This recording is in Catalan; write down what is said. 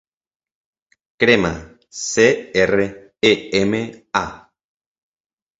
Crema: ce, erra, e, ema, a.